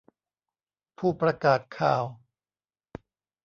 ผู้ประกาศข่าว